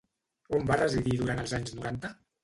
On va residir durant els anys noranta?